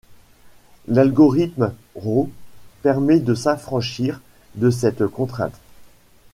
L'algorithme Rho permet de s'affranchir de cette contrainte.